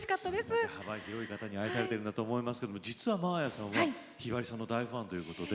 それだけ幅広い方に愛されてるんだと思いますけれど実は真彩さんはひばりさんの大ファンということで。